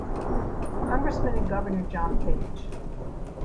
Congressman and Governor John Page.